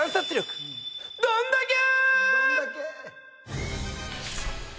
どんだけ！